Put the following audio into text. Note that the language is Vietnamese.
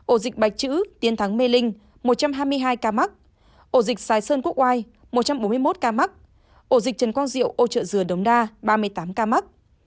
ổ dịch bạch chữ tiến thắng mê linh một trăm hai mươi hai ca mắc ổ dịch xài sơn quốc oai một trăm bốn mươi một ca mắc ổ dịch trần quang diệu ô trợ dừa đống đa ba mươi tám ca mắc